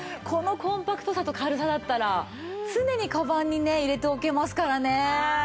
このコンパクトさと軽さだったら常にカバンにね入れておけますからね。